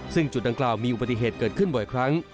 ซึ่งจุดดังกล่าวมีอุบัติเหตุเกิดขึ้นบ่อยครั้ง